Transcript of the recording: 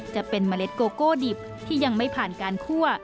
จะเป็นเมล็ดโกโก้ดิบที่ยังไม่ผ่านการคั่ว